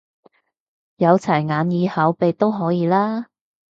有齊眼耳口鼻都可以啦？